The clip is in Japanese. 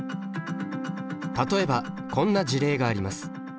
例えばこんな事例があります。